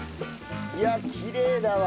いやきれいだわ。